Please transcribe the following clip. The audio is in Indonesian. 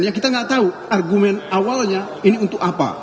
ya kita nggak tahu argumen awalnya ini untuk apa